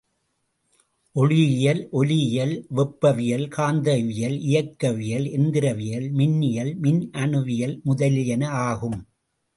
ஒளி இயல், ஒலி இயல், வெப்பவியல், காந்தவியல், இயக்கவியல், எந்திரவியல், மின்னியல், மின்னணுவியல் முதலியவை ஆகும்.